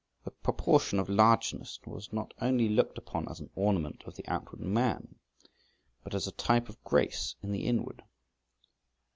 The proportion of largeness was not only looked upon as an ornament of the outward man, but as a type of grace in the inward.